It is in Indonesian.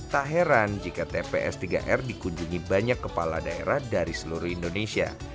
tak heran jika tps tiga r dikunjungi banyak kepala daerah dari seluruh indonesia